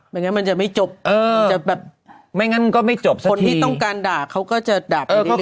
ไม่งั้นมันจะไม่จบมันจะแบบ